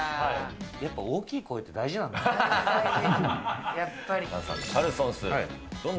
やっぱり大きい声って大事なんだな。